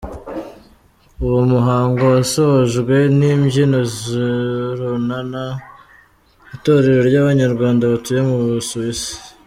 Uwo muhango washojwe n’imbyino z’Urunana, itorero ry’Abanyarwanda batuye mu Busuwisi.